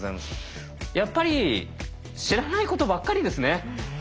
やっぱり知らないことばっかりですね。